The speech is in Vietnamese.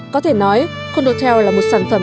có thể nói cô nô tè là một sản phẩm